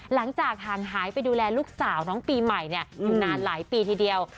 หลังจากห่างหายไปดูแลลูกสาวน้องปีใหม่อยู่นานหลายปีทีเดียว